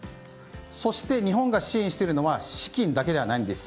そして日本が支援しているのは資金だけではないんです。